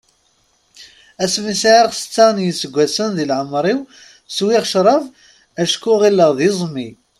Asmi sɛiɣ setta n yiseggasen di leɛmer-iw, swiɣ crab acku ɣileɣ d iẓmi.